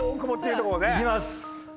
いきます！